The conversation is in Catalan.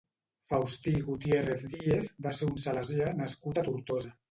Faustí Gutiérrez Díez va ser un salesià nascut a Tortosa.